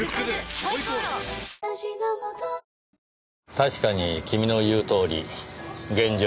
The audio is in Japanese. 確かに君の言うとおり現状